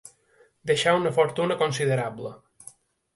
Deixà una fortuna considerable.